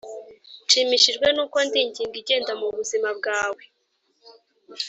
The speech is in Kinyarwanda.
nshimishijwe nuko ndi ingingo igenda mubuzima bwawe.